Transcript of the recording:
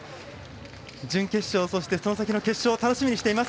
準決勝、そして、その先の決勝楽しみにしています。